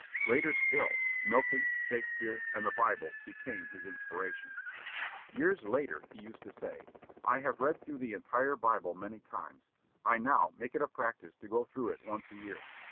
Later still, Milton, Shakespeare, and the Bible became his inspiration. Years after, he used to say, "I have read through the entire Bible many times. I now make it a practice to go through it once a year.